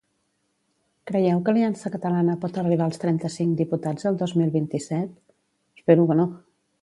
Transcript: Creieu que Aliança Catalana pot arribar als trenta-cinc diputats el dos mil vint-i-set?